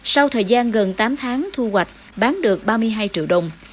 sau thời gian gần tám tháng thu hoạch bán được ba mươi hai triệu đồng